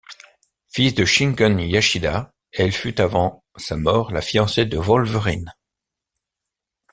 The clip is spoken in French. Fille de Shingen Yashida, elle fut avant sa mort la fiancée de Wolverine.